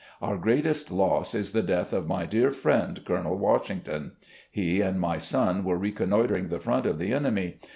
Our greatest loss is the death of my dear friend. Colonel Washington. He and my son were reconnoitering the front of the enemy.